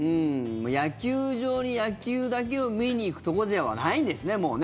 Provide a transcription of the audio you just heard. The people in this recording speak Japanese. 野球場に野球だけを見に行くところではそうですね。